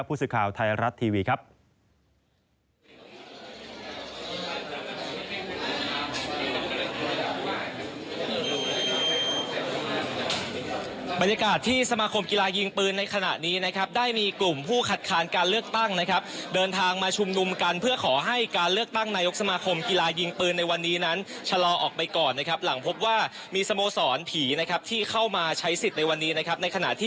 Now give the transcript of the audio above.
พูดสิทธิ์ข่าวไทยรัฐทีวีครับ